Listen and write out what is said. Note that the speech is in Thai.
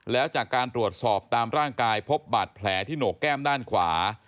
แล้วจากการตรวจสอบตามร่างกายพบบาดแผลที่โหนกแก้มด้านขวา